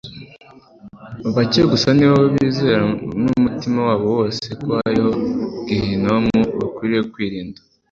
Bake gusa ni bo bizera n'umutima wabo wose ko hariho Gehinomu bakwiriye kwirinda,